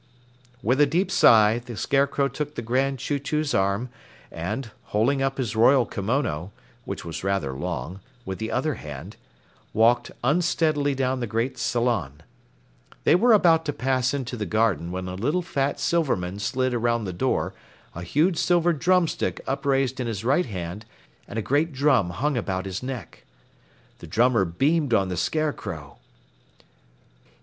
With a deep sigh, the Scarecrow took the Grand Chew Chew's arm and, holding up his royal kimono (which was rather long) with the other hand, walked unsteadily down the great salon. They were about to pass into the garden when a little fat Silverman slid around the door, a huge silver drumstick upraised in his right hand and a great drum hung about his neck. The drummer beamed on the Scarecrow.